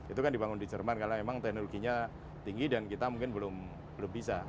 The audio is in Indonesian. itu kan dibangun di jerman karena memang teknologinya tinggi dan kita mungkin belum bisa